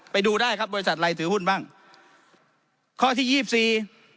ไปดูได้ครับบริษัทอะไรถือหุ้นบ้างข้อที่ยี่สิบสี่